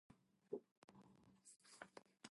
The capital of Badenoch is Kingussie.